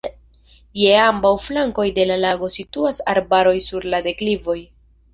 Je ambaŭ flankoj de la lago situas arbaroj sur la deklivoj.